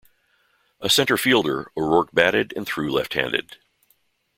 A center fielder, O'Rourke batted and threw left-handed.